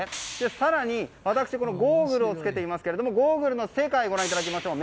更に、私ゴーグルをつけていますがゴーグルの世界をご覧いただきましょう。